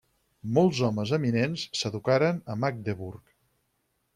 Molts homes eminents s'educaren a Magdeburg.